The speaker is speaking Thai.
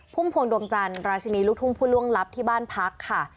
พุ่มพวงดวงจันทร์ราชินีลูกทุ่งผู้ล่วงลับที่บ้านพักค่ะ